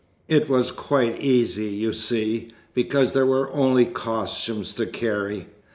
It was quite easy, you see, because there were only costumes to carry.